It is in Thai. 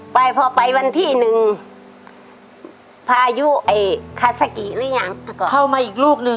พอไปวันที่๑พายุคาซากิหรือยัง